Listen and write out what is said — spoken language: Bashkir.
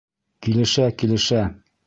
Килешә-килешә...